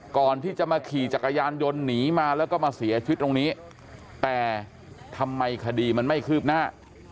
ก่อนที่จะมาขี่จักรยานยนต์หนีมาแล้วก็มาเสียชีวิตตรงนี้แต่ทำไมคดีมันไม่คืบหน้า